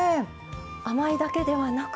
甘いだけではなくて。